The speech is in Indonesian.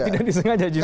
tidak disengaja justru